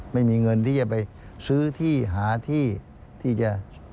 ไม่มีเงินที่จะไปซื้อที่หาที่ที่จะ